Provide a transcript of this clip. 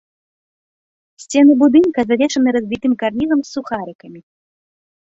Сцены будынка завершаны развітым карнізам з сухарыкамі.